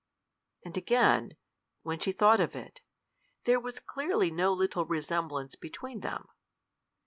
And again, when she thought of it, there was clearly no little resemblance between them.